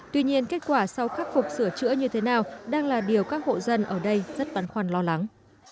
tuy nhiên kết quả sau khắc phục sửa chữa như thế nào đang là điều các hộ dân ở đây rất băn khoăn lo lắng